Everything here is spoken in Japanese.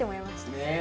ねえ。